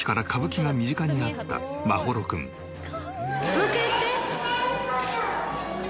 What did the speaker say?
もう一回やって。